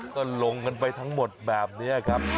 ก็ลงกันไปทั้งหมดแบบนี้ครับ